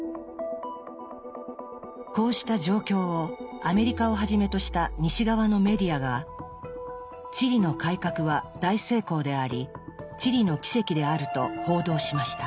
こうした状況をアメリカをはじめとした西側のメディアがチリの改革は大成功であり「チリの奇跡」であると報道しました。